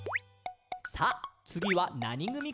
「さあ、つぎはなにぐみかな？」